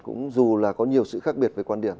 cũng dù là có nhiều sự khác biệt với quan điểm